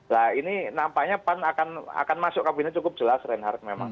nah ini nampaknya pan akan masuk kabinet cukup jelas reinhardt memang